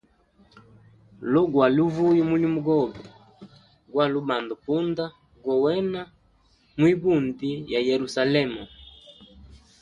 Lo gwali uvuya mulimo gobe gwali ubanda punda gowena mwibundi ya Yerusalema.